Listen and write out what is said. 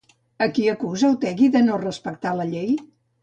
A qui acusa Otegi de no respectar la llei?